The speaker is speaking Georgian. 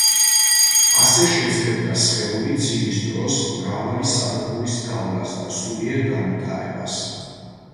ასე შეძლებდა სხეული ძილის დროს მრავალი საფეხურის გავლას და სულიერ განვითარებას.